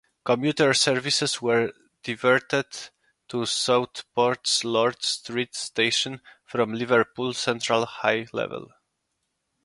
Commuter services were diverted to Southport's Lord Street station from Liverpool Central High Level.